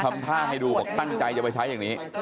ทำท่าให้ดูบอกตั้งใจจะไปใช้อย่างนี้